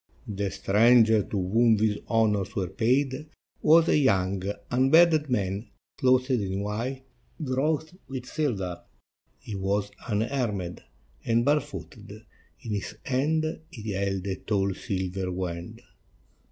The stranger to whom these honors were paid was a young, unbearded man, clothed in white wrought with silver: he was unarmed and barefooted; in his hand he held a tall silver wand.